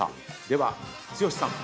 では剛さん。